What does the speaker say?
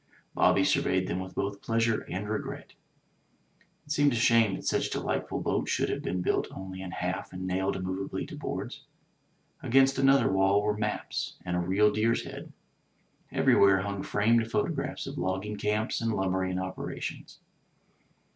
Bobby surveyed them with both pleasure and regret. It seemed a shame that such delightful boats should have been built only in half and nailed immovably to boards. Against another wall were maps, and a real deer's head. Everywhere hung framed photographs of logging camps and lumbering operations.